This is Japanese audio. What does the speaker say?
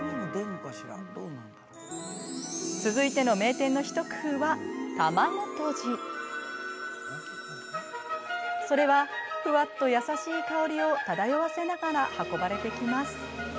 続いてのそれはふわっと優しい香りを漂わせながら運ばれてきます。